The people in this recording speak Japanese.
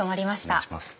お願いします。